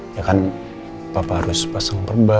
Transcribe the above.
ya kan papa harus pasang perba